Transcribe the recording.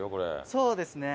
そうですね。